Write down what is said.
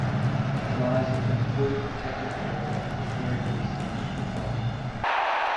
It lies within the fully protected area of the Pyrenees National Park.